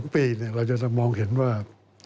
๒ปีเราจะมองเห็นว่า